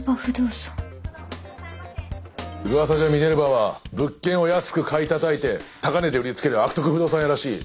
噂じゃミネルヴァは物件を安く買いたたいて高値で売りつける悪徳不動産屋らしい。